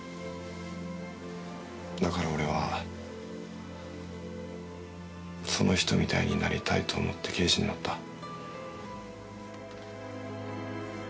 だから俺はその人みたいになりたいと思って刑事になった。